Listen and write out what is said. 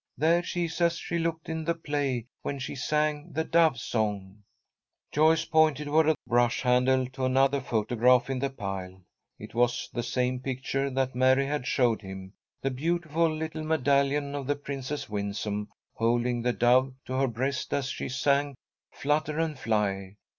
There she is, as she looked in the play when she sang the dove song." Joyce pointed with her brush handle to another photograph in the pile. It was the same picture that Mary had showed him, the beautiful little medallion of the Princess Winsome, holding the dove to her breast as she sang, "Flutter and fly."